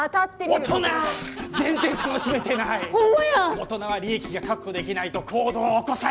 大人は利益が確保できないと行動を起こさない！